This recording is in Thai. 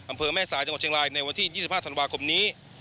อำเภอแม่สายจังหวัดเชียงรายในวันที่๒๕ธันวาคมนี้